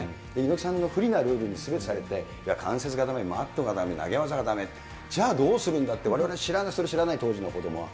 猪木さんの不利なルールになって、関節技だめ、マットがだめ、投げ技がだめ、じゃあどうするんだって、われわれ知らない、当時の子どもは。